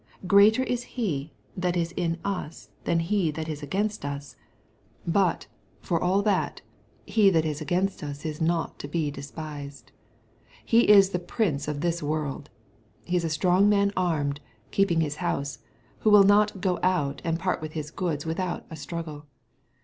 Greater is He that is for us than he that is against us — ^but, for aL 214 EXPOSITOBY THOUGHTS. tbat^ he that is against us is not to be despised. He is the prince of this world. He is a strong man armed^ keeping his house, who will not " go out," and part with his goods without a struggle.